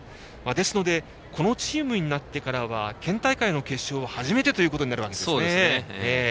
ですのでこのチームになってから県大会の決勝は初めてということになるわけです。